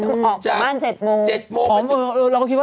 ออกบ้าน๗โมง